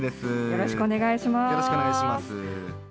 よろしくお願いします。